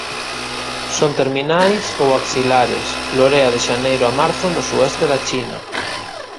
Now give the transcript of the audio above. Son terminais ou axilares; florea de xaneiro a marzo no sueste da China.